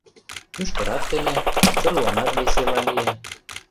Мӱшкырат теме, чонланат весела лие.